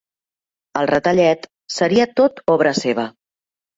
El retalle't, seria tot obra seva.